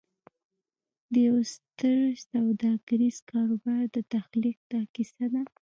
د یوه ستر سوداګریز کاروبار د تخلیق دا کیسه ده